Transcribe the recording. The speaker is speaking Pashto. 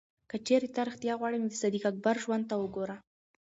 که چېرې ته ریښتیا غواړې، نو د صدیق اکبر ژوند ته وګوره.